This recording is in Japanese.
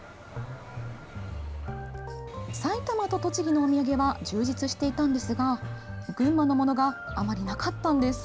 埼玉と栃木のお土産は充実していたんですが群馬のものがあまりなかったんです。